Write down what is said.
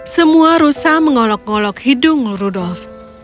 semua rusa mengolok ngolok hidung rudolf